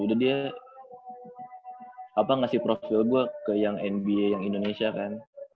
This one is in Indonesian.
udah dia ngasih profil gue ke yang nba yang indonesia kan